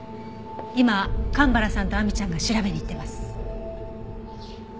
今蒲原さんと亜美ちゃんが調べに行ってます。